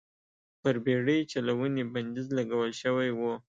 پر بېړۍ چلونې بندیز لګول شوی و.